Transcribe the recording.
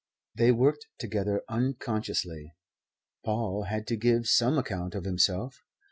They worked together unconsciously. Paul had to give some account of himself.